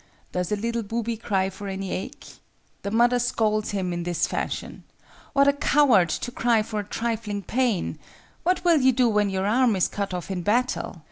Does a little booby cry for any ache? The mother scolds him in this fashion: "What a coward to cry for a trifling pain! What will you do when your arm is cut off in battle?